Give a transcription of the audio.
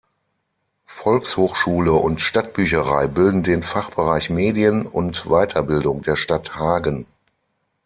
Volkshochschule und Stadtbücherei bilden den Fachbereich Medien und Weiterbildung der Stadt Hagen.